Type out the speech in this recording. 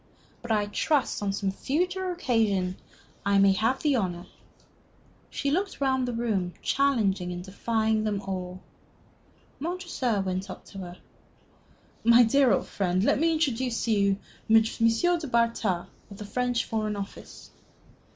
But I trust, on some future occasion, I may have the honor " She looked round upon them, challenging and defying them all. Montresor went up to her. "My dear old friend, let me introduce to you M. du Bartas, of the French Foreign Office."